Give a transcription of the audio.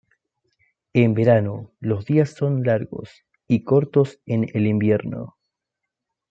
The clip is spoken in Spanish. En verano, los días son largos y cortos en el invierno.